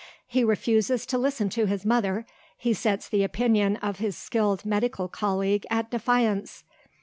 He refuses to listen to his mother, he sets the opinion of his skilled medical colleague at defiance.